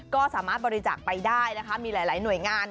ก็สามารถบริจาคไปได้นะคะมีหลายหน่วยงาน